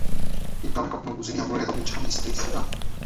কিন্তু আমি কখনো বুঝিনি আমরা এতদিন স্বামী স্ত্রী-ই ছিলাম।